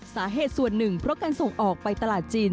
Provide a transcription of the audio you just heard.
สาเหตุส่วนหนึ่งเพราะการส่งออกไปตลาดจีน